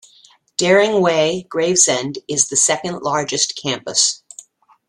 Dering Way, Gravesend is the second largest campus.